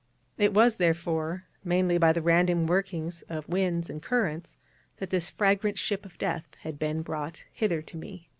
It was, therefore, mainly by the random workings of winds and currents that this fragrant ship of death had been brought hither to me.